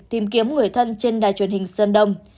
tìm kiếm người thân trên đài truyền hình sơn đông